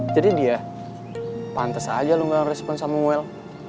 jadi dia pantes aja lo gak ngerespon sama muel